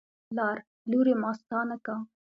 پلار: لورې ماستا نکاح